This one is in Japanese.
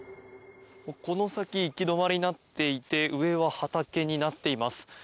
この先行き止まりになっていて上は畑になっています。